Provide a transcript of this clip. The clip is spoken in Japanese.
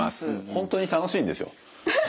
本当に楽しいんですよ。